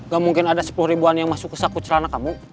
gak mungkin ada sepuluh ribuan yang masuk ke saku celana kamu